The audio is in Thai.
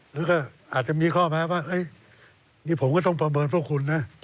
หรือก็อาจจะมีข้อแม้ว่านี่ผมก็ต้องประเมินพวกคุณนะ